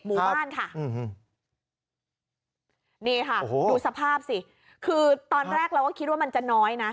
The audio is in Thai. หมู่บ้านค่ะนี่ค่ะดูสภาพสิคือตอนแรกเราก็คิดว่ามันจะน้อย